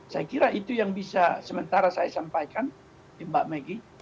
saya kira itu yang bisa sementara saya sampaikan mbak meggy